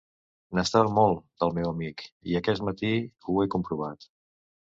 N'estava molt, del meu amic, i aquest matí ho he comprovat.